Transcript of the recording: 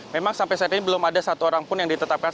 memang sampai saat ini belum ada satu orang pun yang ditetapkan